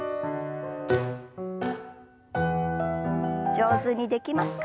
上手にできますか？